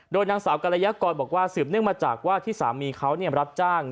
โดยนางสาวกรยากรบอกว่าสืบเนื่องมาจากว่าที่สามีเขารับจ้าง